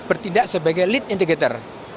kita bertindak sebagai lead integrator